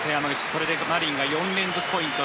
これでマリンが４連続ポイント。